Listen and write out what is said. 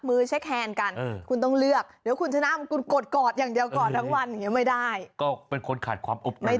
อื้อหืมอารมณ์ดี